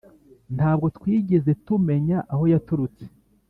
ntabwo twigeze tumenya aho yaturutse,